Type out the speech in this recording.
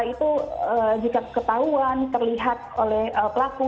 itu jika ketahuan terlihat oleh pelaku